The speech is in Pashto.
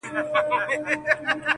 زما هغـه ســـترگو ته ودريـــږي!